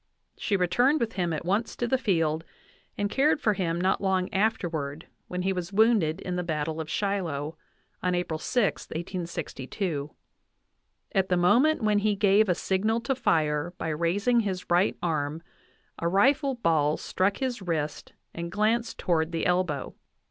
She returned with him at once to the field, and cared for him not long afterward when he was wounded in the battle of Shiloh, on April 6, 1862. At the moment when he gave a signal to fire by raising his right arm a rifle ball struck his wrist and glanced toward the elbow.